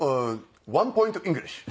ワンポイントイングリッシュ。